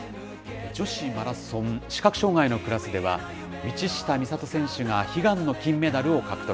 女子マラソン視覚障害のクラスでは、道下美里選手が悲願の金メダルを獲得。